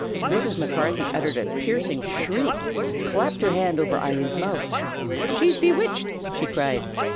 Mrs. Macarthy uttered a piercing shriek, and clapped her hand over Eileen's mouth. "She's bewitched!" she cried.